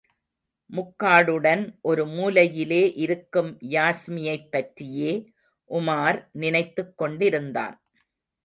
முக்காடுடன் ஒரு மூலையிலே இருக்கும் யாஸ்மியைப் பற்றியே உமார் நினைத்துக் கொண்டிருந்தான்.